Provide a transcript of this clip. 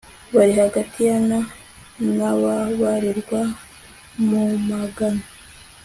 bari hagati ya na n ababarirwa mu magana